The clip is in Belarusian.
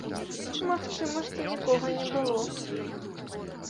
Магчыма, што нікога не было.